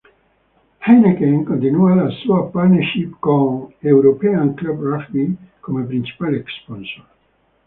Heineken continua la sua partnership con European Club Rugby come principale sponsor.